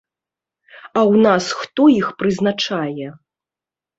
А у нас хто іх прызначае?